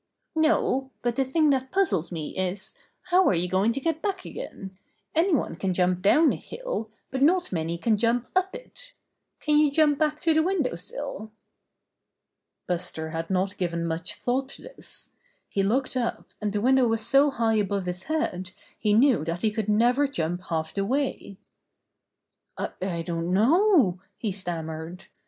''No, but the thing that puzzles me is, how are you going to get back again? Anybody can jump down a hill, but not many can jump up it Can you jump back to the window sill?" Buster had not given much thought to this. He looked up, and the window was so high above his head he knew that he could never jump half the way. "I don't know," he stammered.